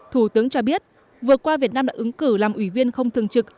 thủ tướng cho biết vừa qua việt nam đã ứng cử làm ủy viên không thường trực